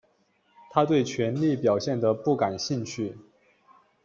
他对权力表现得不感兴趣。